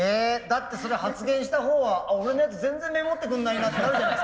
だってそれ発言したほうは「俺のやつ全然メモってくんないな」ってなるじゃないですか。